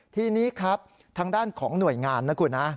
ทีนี้ครับทางด้านของหน่วยงานนะคุณนะ